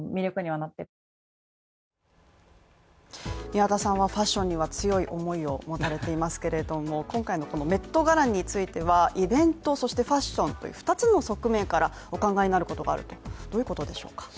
宮田さんはファッションには強い思いを持たれていますけれども、今回のこのメットガラについては、イベントそしてファッションという二つの側面からお考えになることがあるとどういうことでしょうか？